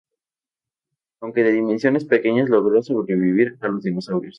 Aunque de dimensiones pequeñas logró sobrevivir a los dinosaurios.